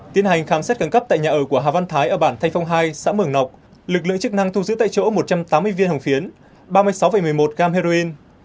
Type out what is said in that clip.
tiến hành khám xét khẩn cấp tại nhà ở của hà văn thái ở bản thanh phong hai xã mường nọc lực lượng chức năng thu giữ tại chỗ một trăm tám mươi viên hồng phiến ba mươi sáu một mươi một g heroin